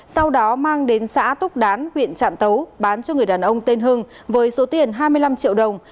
sau đó mang đến xã túc đán huyện trạm tấu bán cho người đàn ông tên hưng với số tiền hai mươi năm triệu đồng